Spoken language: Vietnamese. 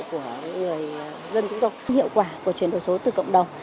dân cũng có hiệu quả của chuyển đổi số từ cộng đồng